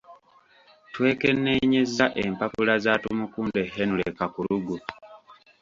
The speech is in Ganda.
Twekenneenyezza empapula za Tumukunde Henry Kakulugu.